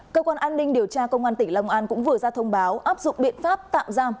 cơ quan an ninh điều tra công an tỉnh long an cũng vừa ra thông báo áp dụng biện pháp tạm giam